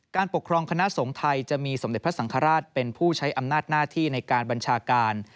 ปกครองคณะสงฆ์ไทยจะมีสมเด็จพระสังฆราชเป็นผู้ใช้อำนาจหน้าที่ในการบัญชาการ